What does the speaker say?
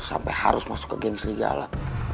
sampe harus masuk ke geng serigala